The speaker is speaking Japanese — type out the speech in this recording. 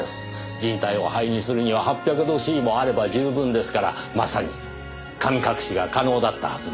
人体を灰にするには８００℃もあれば十分ですからまさに神隠しが可能だったはずです。